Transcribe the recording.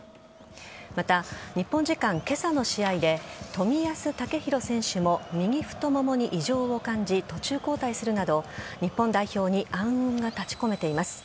また、日本時間今朝の試合で冨安健洋選手も右太ももに異常を感じ途中交代するなど日本代表に暗雲が立ち込めています。